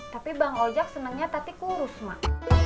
tapi bang ojak senengnya tadi kurus mak